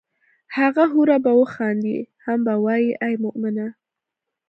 هغه حوره به وخاندي هم به وائي ای مومنه!